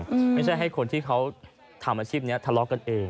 ไม่ใช่ให้คนที่เขาทำอาชีพนี้ทะเลาะกันเอง